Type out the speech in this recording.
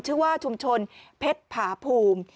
ชื่อว่าชุมชนเพชรผาภูมิ